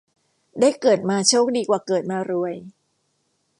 ได้เกิดมาโชคดีกว่าเกิดมารวย